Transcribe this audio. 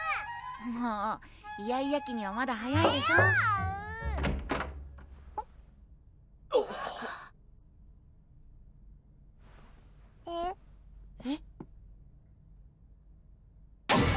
もうイヤイヤ期にはまだ早いでしょ？・・えるぅえる？えっ？